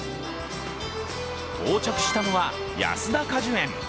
到着したのは安田果樹園。